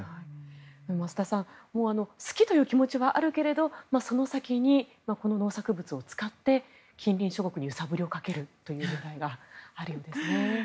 増田さん好きという気持ちはあるけれどその先に、この農作物を使って近隣諸国にゆさぶりをかけるという狙いがあるようですね。